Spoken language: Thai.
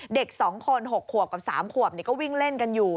เด็ก๒คน๖ขวบกับ๓ขวบก็วิ่งเล่นกันอยู่